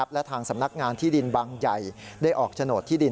และทางสำนักงานที่ดินบางใหญ่ได้ออกโฉนดที่ดิน